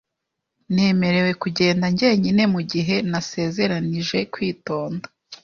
Nemerewe kugenda njyenyine mu gihe nasezeranije kwitonda .